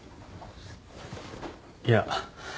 いや。